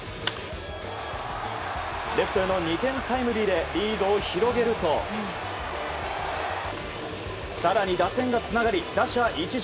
レフトへの２点タイムリーでリードを広げると更に打線がつながり打者一巡。